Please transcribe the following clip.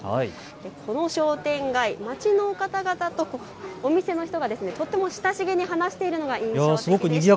この商店街、街の方々とお店の人がとっても親しげに話しているのが印象的です。